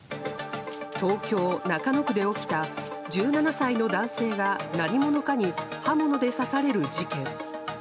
東京・中野区で起きた１７歳の男性が何者かに刃物で刺される事件。